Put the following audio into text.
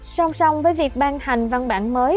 sông sông với việc ban hành văn bản mới